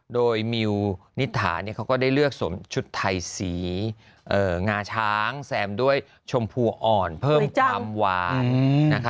โดยมิวนิถาเขาก็ได้เลือกสวมชุดไทยสีงาช้างแซมด้วยชมพูอ่อนเพิ่มความหวาน